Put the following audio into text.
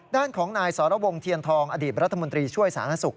ด้านของนายสรวงเทียนทองอดีตรัฐมนตรีช่วยสาธารณสุข